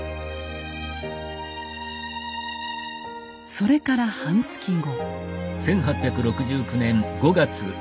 それから半月後。